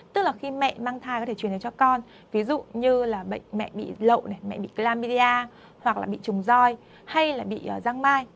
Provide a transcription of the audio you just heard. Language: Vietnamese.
tức là khi mẹ mang thai có thể truyền được cho con ví dụ như là mẹ bị lậu mẹ bị glambidia hoặc là bị trùng roi hay là bị răng mai